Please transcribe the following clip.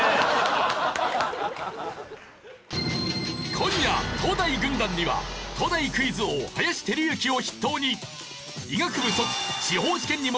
今夜東大軍団には東大クイズ王林輝幸を筆頭に。